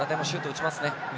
打ちますね。